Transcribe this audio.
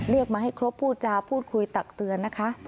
เรียกมาให้ครบพูดจาพูดคุยตักเตือนนะคะ